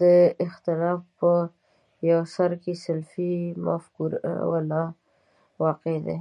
د اختلاف په یو سر کې سلفي مفکورې والا واقع دي.